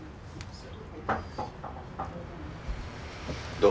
どう？